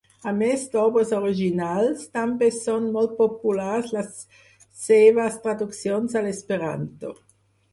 A més d'obres originals, també són molt populars les seves traduccions a l'esperanto.